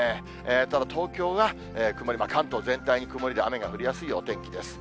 ただ、東京は曇りマーク、関東全体に曇りで、雨が降りやすいお天気です。